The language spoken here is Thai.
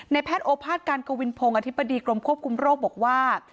แพทย์โอภาษการกวินพงศ์อธิบดีกรมควบคุมโรคบอกว่า